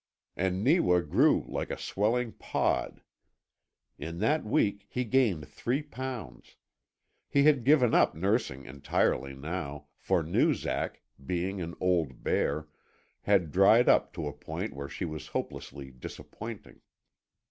And Neewa grew like a swelling pod. In that week he gained three pounds. He had given up nursing entirely now, for Noozak being an old bear had dried up to a point where she was hopelessly disappointing.